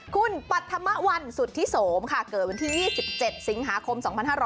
คุณปัธมวัลสุทธิโสมค่ะเกิดวันที่๒๗สิงหาคม๒๕๖๐